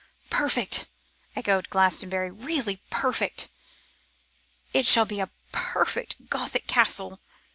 'Perfect,' echoed Glastonbury; 'really perfect. It shall be a perfect Gothic castle.